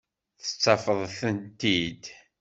Tettafeḍ-tent-id.